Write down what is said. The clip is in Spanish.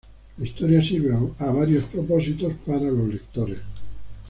La historia sirve a varios propósitos para los lectores.